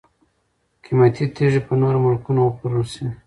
قیمتي تیږي په نورو ملکونو وپلورل شي.